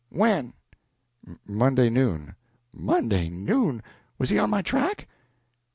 "When?" "Monday noon." "Monday noon! Was he on my track?"